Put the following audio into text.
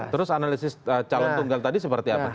terus analisis calon tunggal tadi seperti apa